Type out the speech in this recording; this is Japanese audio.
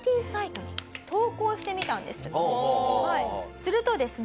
するとですね